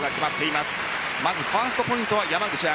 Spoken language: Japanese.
まず、ファーストポイントは山口茜。